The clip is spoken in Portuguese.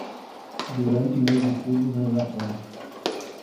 Durante meus estudos no Japão